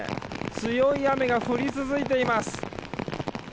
強い雨が降り続いています。